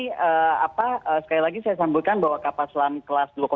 nah apa sekali lagi saya sambutkan bahwa kapal selam kelas dua ribu sembilan